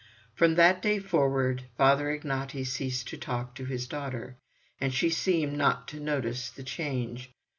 From that day forward Father Ignaty ceased to talk to his daughter, and she seemed not to notice the change.